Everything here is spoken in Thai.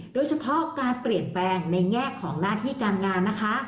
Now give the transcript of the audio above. โดยเฉพาะการเปลี่ยนแปลงในแง่ของหน้าที่การงานนะคะ